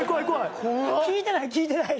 聞いてない聞いてない！